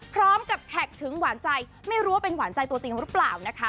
พร้อมกับแท็กถึงหวานใจไม่รู้ว่าเป็นหวานใจตัวจริงหรือเปล่านะคะ